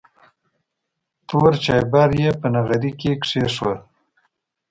تور چایبر یې په نغري کې کېښود.